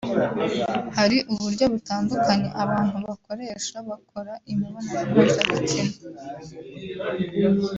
Hari uburyo butandukanye abantu bakoresha bakora imibonano mpuzabitsina